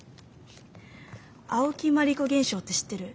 青木まりこ現象って知ってる？